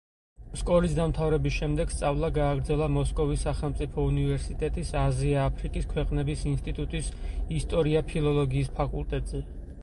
სკოლის დამთავრების შემდეგ სწავლა გააგრძელა მოსკოვის სახელმწიფო უნივერსიტეტის აზია-აფრიკის ქვეყნების ინსტიტუტის ისტორია-ფილოლოგიის ფაკულტეტზე.